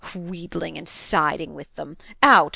Wheedling and siding with them! Out!